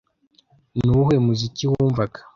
Nuwuhe muziki wumvaga